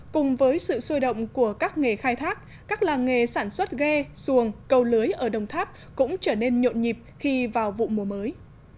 cùng với sự sôi động của các nghề khai thác các làng nghề sản xuất ghe xuồng cầu lưới ở đồng tháp cũng trở nên nhộn nhịp khi vào vụ mùa mới